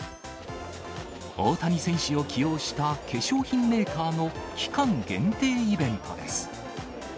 大谷選手を起用した化粧品メーカーの期間限定イベントです。